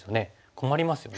困りますよね。